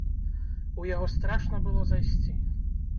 У яго страшна было зайсці!